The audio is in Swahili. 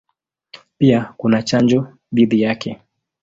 Pia kuna chanjo dhidi yake.